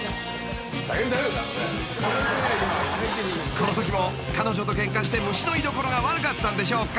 ［このときも彼女とケンカして虫の居所が悪かったんでしょうか］